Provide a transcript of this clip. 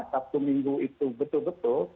sabtu minggu itu betul betul